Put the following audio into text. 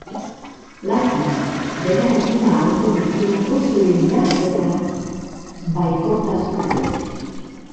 Lasai, dena egin ahalko duzulako zure indar eta baikortasunarekin.